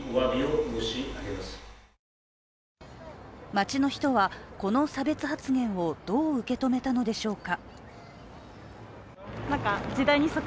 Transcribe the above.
街の人はこの差別発言をどう受け止めたのでしょうか。